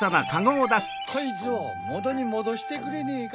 こいつをもとにもどしてくれねえか？